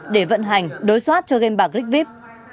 để vận hành đối soát cho game bạc rigvip